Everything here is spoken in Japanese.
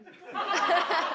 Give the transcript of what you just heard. アハハッ。